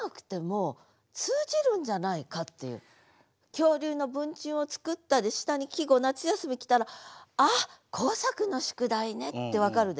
「恐竜の文鎮を作った」で下に季語「夏休」来たら「あっ工作の宿題ね」って分かるでしょ。